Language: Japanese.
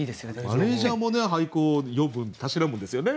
マネージャーも俳句をたしなむんですよね。